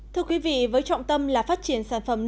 thưa quý vị với trọng tâm là phát triển sản phẩm